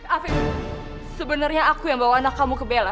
aveng sebenarnya aku yang bawa anak kamu ke bella